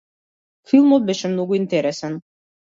Филмот беше многу интересен.